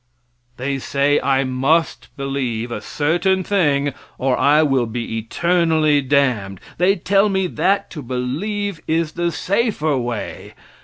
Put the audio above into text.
They say I must believe a certain thing or I will be eternally damned. They tell me that to believe is the safer way.